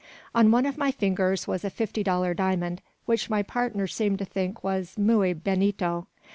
On one of my fingers was a fifty dollar diamond, which my partner seemed to think was muy buenito.